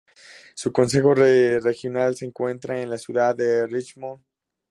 Su consejo regional se encuentra en la ciudad de Richmond.